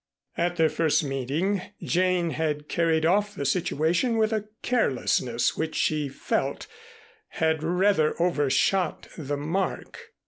At their first meeting Jane had carried off the situation with a carelessness which she felt had rather overshot the mark.